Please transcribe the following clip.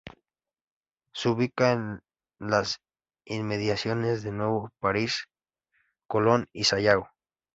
Se ubica en las inmediaciones de Nuevo París, Colón y Sayago.